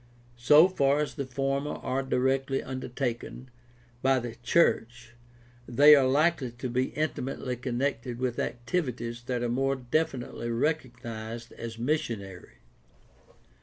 So far as the former are directly undertaken by the church they are likely to be intimately connected with activities that are more definitely recognized as missionary.